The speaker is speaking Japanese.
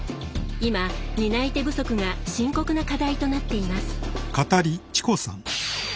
今、担い手不足が深刻な課題となっています。